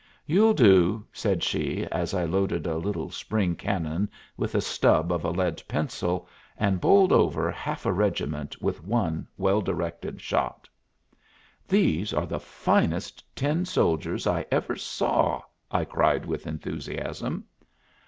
"You'll do," said she, as I loaded a little spring cannon with a stub of a lead pencil and bowled over half a regiment with one well directed shot. "These are the finest tin soldiers I ever saw!" I cried with enthusiasm.